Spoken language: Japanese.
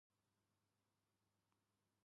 机の上がごちゃごちゃしている。